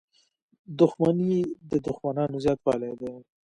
• دښمني د دوښمنانو زیاتوالی دی.